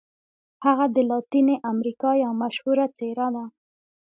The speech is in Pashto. هغه د لاتیني امریکا یوه مشهوره څیره ده.